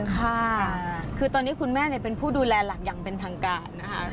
ค่ะคือตอนนี้คุณแม่เป็นผู้ดูแลหลักอย่างเป็นทางการนะคะ